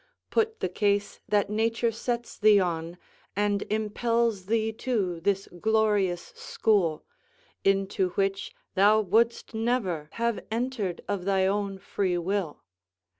Put the case that nature sets thee on and impels thee to this glorious school, into which thou wouldst never have entered of thy own free will.